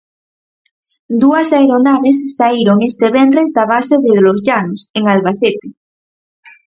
Dúas aeronaves saíron este venres da base de Los Llanos, en Albacete.